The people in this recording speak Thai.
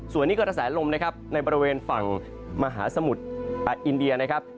ส่วนนี้กระแสลมนะครับในบริเวณฝั่งมหาสมุทรอินเดียนะครับ